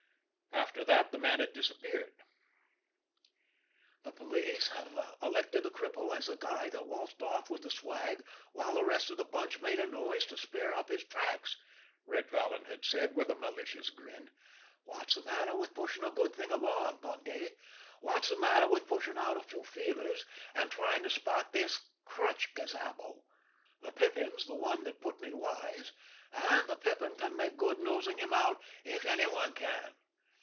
After that the man had disappeared. "The police have elected the cripple as the guy that waltzed off with the swag while the rest of the bunch made a noise to smear up his tracks," Red Vallon had said, with a malicious grin. "What's the matter with pushing a good thing along, Bundy? What's the matter with pushing out a few feelers, and trying to spot this crutch gazabo? The Pippin's the one that put me wise, and the Pippin can make good nosing him out if any one can."